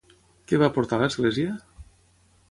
Què va aportar a l'Església?